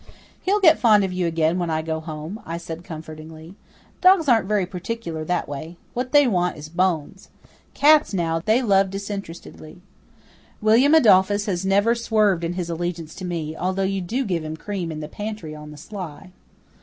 "He'll get fond of you again when I go home," I said comfortingly. "Dogs aren't very particular that way. What they want is bones. Cats now, they love disinterestedly. William Adolphus has never swerved in his allegiance to me, although you do give him cream in the pantry on the sly."